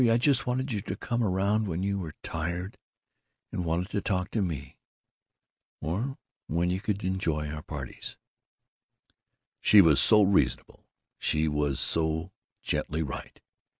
I just wanted you to come around when you were tired and wanted to talk to me, or when you could enjoy our parties " She was so reasonable, she was so gently right!